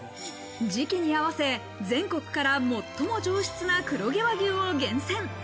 時期に合わせ、全国から最も上質な黒毛和牛を厳選。